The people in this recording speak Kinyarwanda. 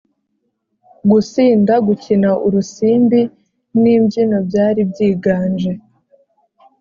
gusinda, gukina urusimbi n’imbyino byari byiganje,